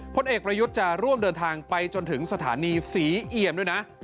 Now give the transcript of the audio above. พลเอกประยุทธ์จะร่วมเดินทางไปจนถึงสถานีศรีเอี่ยมด้วยนะ